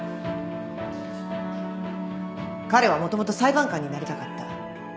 彼はもともと裁判官になりたかった。